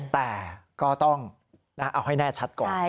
แต่ก็ต้องเอาให้แน่ชัดก่อน